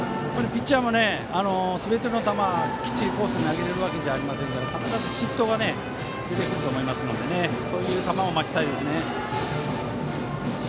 ピッチャーもすべての球をきっちり、コースに投げられるわけではないので必ず失投が出てくると思いますのでそういう球を待ちたいですね。